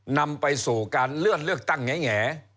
นำไปสู่การเลือกตั้งแหงแหง